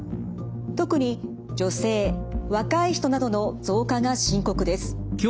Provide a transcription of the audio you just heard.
特に女性若い人などの増加が深刻です。